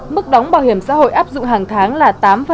mức đóng bảo hiểm xã hội áp dụng hàng tháng là tám